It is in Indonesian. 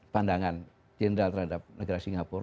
pandangan general terhadap negara singapura